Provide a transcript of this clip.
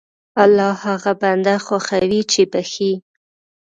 الله هغه بنده خوښوي چې بخښي.